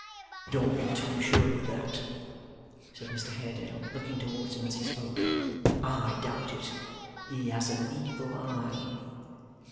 'Don't be too sure of that,' said Mr Haredale, looking towards him as he spoke. 'I doubt it. He has an evil eye.